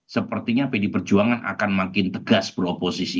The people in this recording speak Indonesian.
sepertinya pd perjuangan akan makin tegas beroposisi